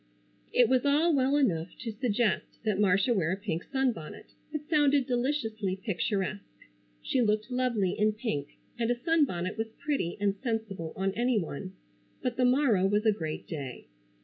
It was all well enough to suggest that Marcia wear a pink sunbonnet. It sounded deliciously picturesque. She looked lovely in pink and a sunbonnet was pretty and sensible on any one; but the morrow was a great day.